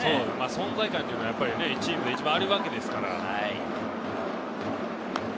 存在感はチームで一番あるわけですから。